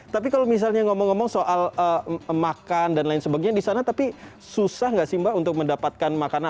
tapi kalau misalnya ngomong ngomong soal makan dan lain sebagainya di sana tapi susah nggak sih mbak untuk mendapatkan makanan